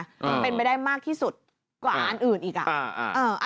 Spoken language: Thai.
มันเป็นไปได้มากที่สุดกว่าอันอื่นอีกอ่ะ